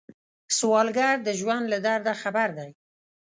سوالګر د ژوند له درده خبر دی